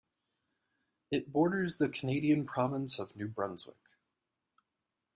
It borders the Canadian province of New Brunswick.